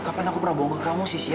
kapan aku pernah bohong ke kamu sih sya